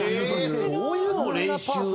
そういうのも練習なの？